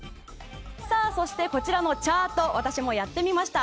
そしてこちらのチャート私もやってみました。